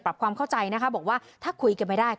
สำหรับความเข้าใจนะครับบอกว่าถ้าคุยกันไม่ได้